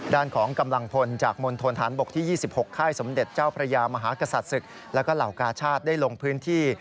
ด้านของกำลังพลจากมณฑนฐานบกที่๒๖ค่ายสมเด็จเจ้าพระยามหากษัตริย์ศึกแล้วก็เหล่ากาชาติได้ลงพื้นที่